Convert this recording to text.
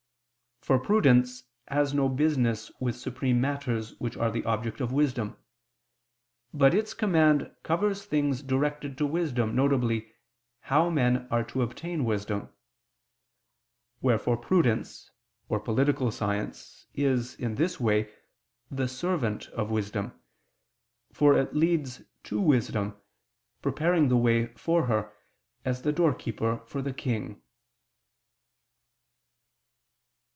For prudence has no business with supreme matters which are the object of wisdom: but its command covers things directed to wisdom, viz. how men are to obtain wisdom. Wherefore prudence, or political science, is, in this way, the servant of wisdom; for it leads to wisdom, preparing the way for her, as the doorkeeper for the king.